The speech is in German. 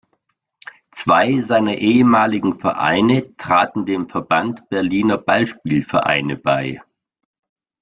Zwei seiner ehemaligen Vereine traten dem Verband Berliner Ballspielvereine bei.